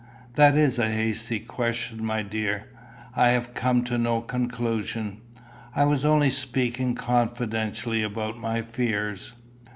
"That is a hasty question, my dear. I have come to no conclusion. I was only speaking confidentially about my fears."